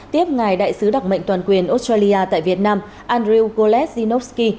tiếp ngài đại sứ đặc mệnh toàn quyền australia tại việt nam andrew golesz zinowski